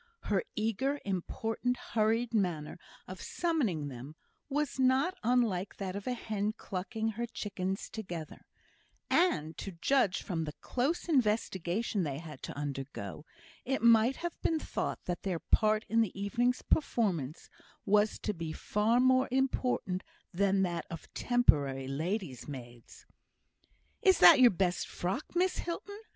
Her eager, important, hurried manner of summoning them was not unlike that of a hen clucking her chickens together; and to judge from the close investigation they had to undergo, it might have been thought that their part in the evening's performance was to be far more important than that of temporary ladies' maids. "Is that your best frock, Miss Hilton?"